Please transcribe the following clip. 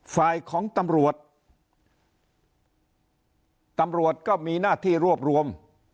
ฝ่ายของตำรวจตำรวจก็มีหน้าที่รวบรวม